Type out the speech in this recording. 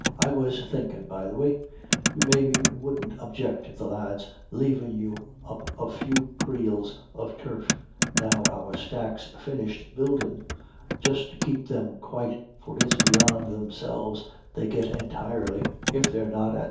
I was thinkin', be the way, you maybe wouldn't object to the lads lavin' you up a few creels of turf now our stack's finished buildin', just to keep them quite, for it's beyond themselves they git entirely, if i 22 IRISH IDYLLS.